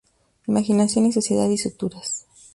Imaginación y sociedad" y "Suturas.